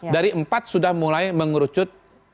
dari empat sudah mulai mengerucut